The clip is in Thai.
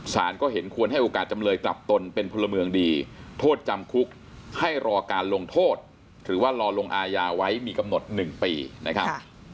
สารก็เห็นควรให้โอกาสจำเลยกลับตนเป็นพลเมืองดีโทษจำคุกให้รอการลงโทษหรือว่ารอลงอายาไว้มีกำหนด๑ปีนะครับ